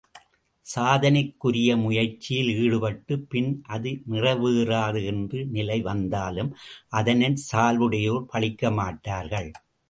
சாதனைக்குரிய முயற்சியில் ஈடுபட்டு, பின் அது நிறைவேறாது என்ற நிலை வந்தாலும் அதனைச் சால்புடையோர் பழிக்கமாட்டார்கள்.